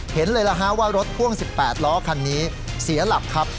เห็นเลยล่ะฮะว่ารถพ่วง๑๘ล้อคันนี้เสียหลักครับ